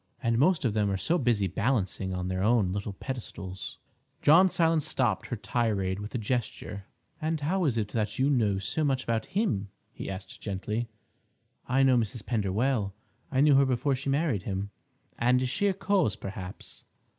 And most of them are so busy balancing on their own little pedestals—" John Silence stopped her tirade with a gesture. "And how is it that you know so much about him?" he asked gently. "I know Mrs. Pender well—I knew her before she married him—" "And is she a cause, perhaps?"